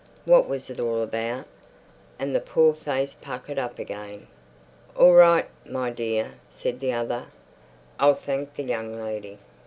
What was it all about? And the poor face puckered up again. "All right, my dear," said the other. "I'll thenk the young lady."